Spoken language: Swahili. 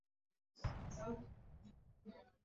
Dawati la samawati